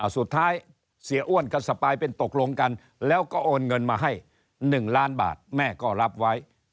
เสียอ้วนกับสปายเป็นตกลงกันแล้วก็โอนเงินมาให้๑ล้านบาทแม่ก็รับไว้